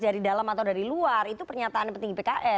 dari dalam atau dari luar itu pernyataan petinggi pks